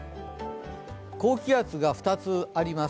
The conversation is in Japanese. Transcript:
高気圧が２つあります。